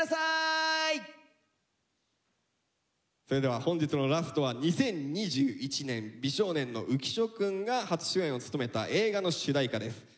それでは本日のラストは２０２１年美少年の浮所くんが初主演を務めた映画の主題歌です。